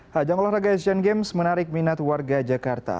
hajang olahraga asian games menarik minat warga jakarta